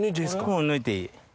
うん抜いていい。